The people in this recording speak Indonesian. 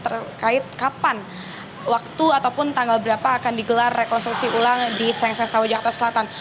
ini informasi terkait kapan waktu ataupun tanggal berapa akan digelar rekonstruksi ulang di serengseng selawajah terselatan